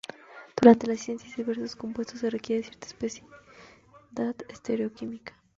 Durante la síntesis de diversos compuestos, se requiere de cierta especificidad estereoquímica.